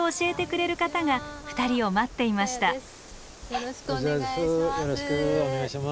よろしくお願いします。